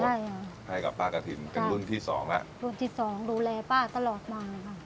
ใช่ค่ะให้กับป้ากระถิ่นเป็นรุ่นที่สองแล้วรุ่นที่สองดูแลป้าตลอดมาเลยค่ะ